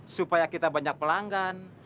supaya kita banyak pelanggan